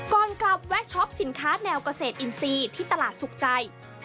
ก่อนกลับแวะช็อปสินค้าแนวเกษตรอินทรีย์ที่ตลาดสุขใจ